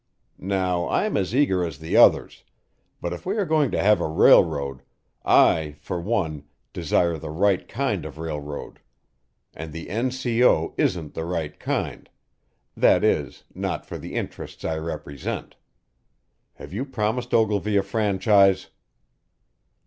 Now, I'm as eager as the others, but if we are going to have a railroad, I, for one, desire the right kind of railroad; and the N.C.O. isn't the right kind that is, not for the interests I represent. Have you promised Ogilvy a franchise?"